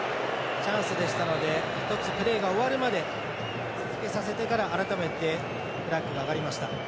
チャンスでしたので１つプレーが終わるまで続けさせてから改めて、フラッグが上がりました。